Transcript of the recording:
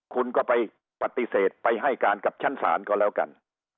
คุณก็ไปปฏิเสธไปให้การกับชั้นศาลก็แล้วกัน